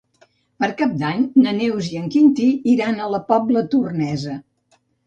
Per Cap d'Any na Neus i en Quintí iran a la Pobla Tornesa.